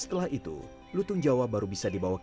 setelah itu lutung jawa baru bisa dibawa ke